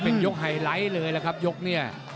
เป็นยกไฮไลท์เลยล่ะครับยกเนี่ย